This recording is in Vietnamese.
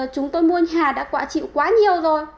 chúng tôi mua nhà đã quả chịu quá nhiều rồi